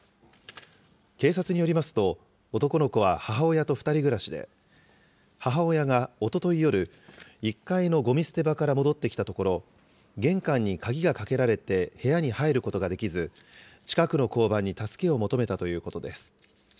警察によりますと、男の子は母親と２人暮らしで、母親がおととい夜、１階のごみ捨て場から戻ってきたところ、玄関に鍵がかけられて部屋に入ることができず、近くの交番に助けを求めたということです。